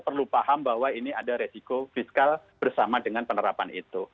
perlu paham bahwa ini ada resiko fiskal bersama dengan penerapan itu